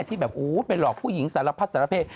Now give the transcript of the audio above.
ที่แบบโอ้โฮเป็นหลอกผู้หญิงสารพัดสารเพศ